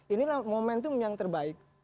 inilah momentum yang terbaik